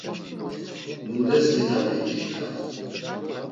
Mundes kitabi iǩitxam?